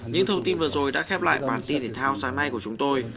những thông tin vừa rồi đã khép lại bản tin thể thao sáng nay của chúng tôi